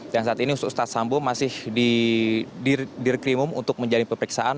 dan saat ini ustadz sambo masih di direktri umum untuk menjalani pemeriksaan